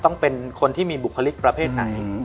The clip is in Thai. ต้องเป็นคนที่มีบุคลิกประเภทไหน